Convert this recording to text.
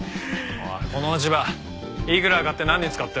おいこの落ち葉いくらで買って何に使ってる？